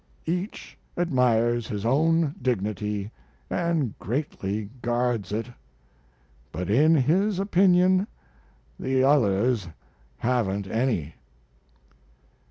Each admires his own dignity and greatly guards it, but in his opinion the others haven't any.